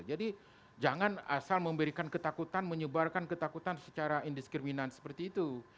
jadi jangan asal memberikan ketakutan menyebarkan ketakutan secara indiskriminan seperti itu